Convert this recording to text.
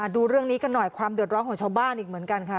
ดูเรื่องนี้กันหน่อยความเดือดร้อนของชาวบ้านอีกเหมือนกันค่ะ